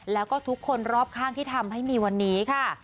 แล้วก็ทุกคนรอบข้างที่ทำให้มีวันนี้ค่ะ